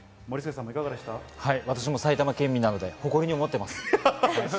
私も埼玉県民なので誇りに思っています。